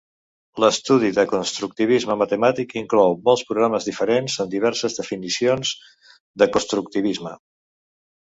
L'estudi de constructivisme matemàtic inclou molts programes diferents amb diverses definicions de "constructivisme".